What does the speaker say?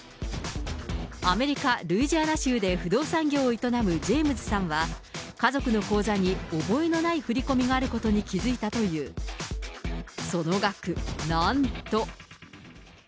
アメリカ・ルイジアナ州で不動産業を営むジェームズさんは、家族の口座に覚えのない振り込みがあることに気付いたという、その額、なんと。